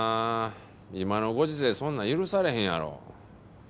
今のご時世そんなん許されへんやろ。